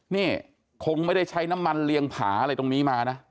นี่คงไม่ได้ใช้น้ำมันเรียงผาอะไรตรงนี้มานะ